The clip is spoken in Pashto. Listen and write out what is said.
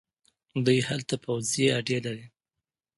دوی هلته پوځي اډې لري.